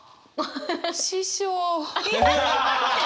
師匠。